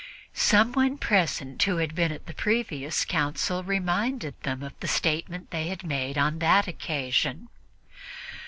Someone present who had been at the previous council reminded them of the statement they had made on that occasion.